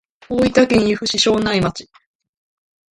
大分県由布市庄内町